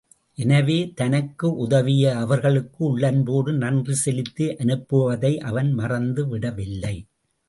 எனவே, தனக்கு உதவிய அவர்களுக்கு உள்ளன்போடு நன்றி செலுத்தி அனுப்புவதை அவன் மறந்துவிடவில்லை.